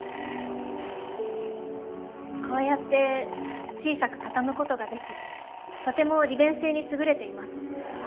こうやって小さく畳むことができとても利便性に優れています。